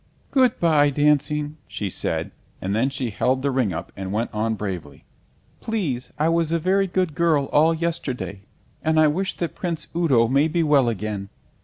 "Good bye, dancing," she said; and then she held the ring up and went on bravely, "Please I was a very good girl all yesterday, and I wish that Prince Udo may be well again."